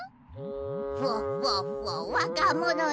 フォッフォッフォッ若者よ